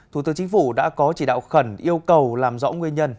thủ tướng chính phủ đã có chỉ đạo khẩn yêu cầu làm rõ nguyên nhân